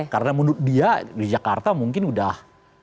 karena menurut dia di jakarta mungkin udah